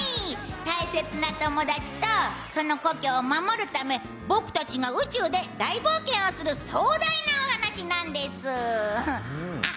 大切な友達とその故郷を守るため僕たちが宇宙で大冒険をする壮大なお話なんです！